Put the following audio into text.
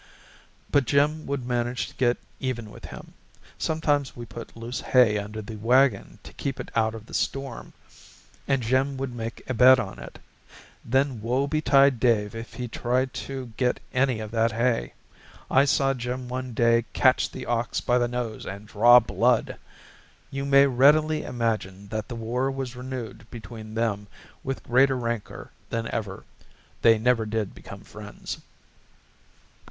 But Jim would manage to get even with him. Sometimes we put loose hay under the wagon to keep it out of the storm, and Jim would make a bed on it. Then woe betide Dave if he tried to get any of that hay! I saw Jim one day catch the ox by the nose and draw blood. You may readily imagine that the war was renewed between them with greater rancor than ever. They never did become friends.